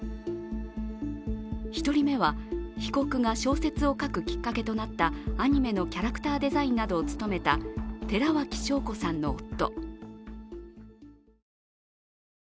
１人目は、被告が小説を書くきっかけとなったアニメのキャラクターデザインなどを務めた寺脇晶子さんの夫。